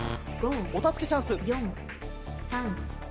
お助けチャンス。